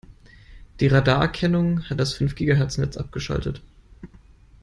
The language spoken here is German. Die Radarerkennung hat das fünf Gigahertz-Netz abgeschaltet.